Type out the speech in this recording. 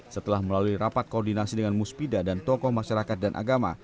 setelah melalui rapat koordinasi dengan musbida dan tokoh masyarakat dan agama